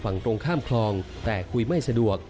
ฝั่งตรงข้ามคลองแต่คุยไม่สะดวก